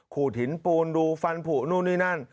ขูดหินปูนดูฟันผูนู่นนี่นั่น